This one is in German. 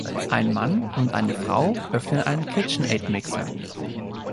Ein Mann und eine Frau öffnen einen KitchenAid-Mixer.